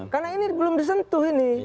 karena ini belum disentuh ini